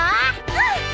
うん！